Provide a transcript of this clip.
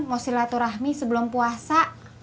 mau silaturahmi sebelum puasa